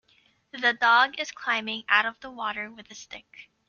The dog is climbing out of the water with a stick.